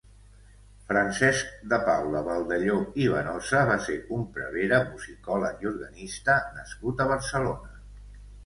Francesc de Paula Baldelló i Benosa va ser un prevere musicòleg i organista nascut a Barcelona.